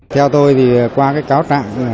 theo tôi thì qua cái cáo trạng